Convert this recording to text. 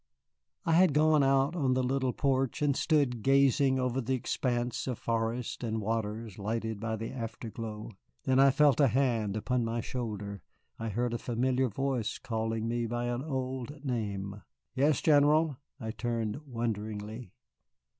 I had gone out on the little porch and stood gazing over the expanse of forest and waters lighted by the afterglow. Then I felt a hand upon my shoulder, I heard a familiar voice calling me by an old name. "Yes, General!" I turned wonderingly.